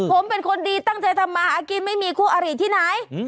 ผมเป็นคนดีตั้งใจทำมาหากินไม่มีคู่อาริที่ไหน